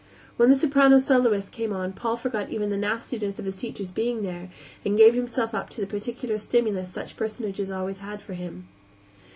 When the soprano soloist came on Paul forgot even the nastiness of his teacher's being there and gave himself up to the peculiar stimulus such personages always had for him.